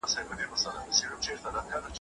تاريخي پېښې تر اوسنيو پېښو زياتې پند ورکوونکې دي.